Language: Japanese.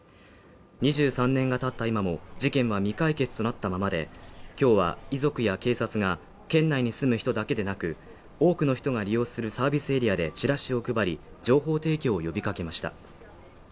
２３年がたった今も、事件は未解決となったままで、今日は遺族や警察が県内に住む人だけでなく、多くの人が利用するサービスエリアでチラシを配り情報提供を呼びかけました。